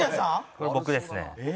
これ僕ですね。